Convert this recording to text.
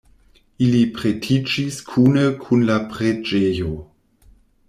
Ili pretiĝis kune kun la preĝejo.